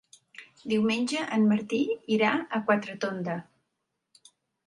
Diumenge en Martí irà a Quatretonda.